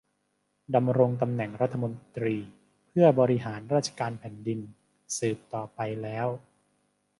ดำรงตำแหน่งรัฐมนตรีเพื่อบริหารราชการแผ่นดินสืบต่อไปแล้ว